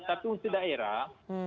satu untuk daerah